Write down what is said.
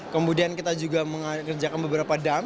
kemudian kita juga mengerjakan beberapa dam